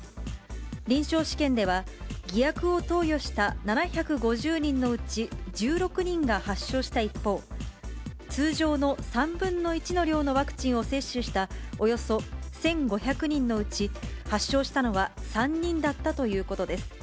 臨床試験では、偽薬を投与した７５０人のうち１６人が発症した一方、通常の３分の１の量のワクチンを接種したおよそ１５００人のうち、発症したのは３人だったということです。